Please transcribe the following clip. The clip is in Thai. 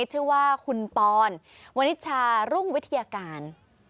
ชื่อว่าคุณปอนวนิชชารุ่งวิทยาการ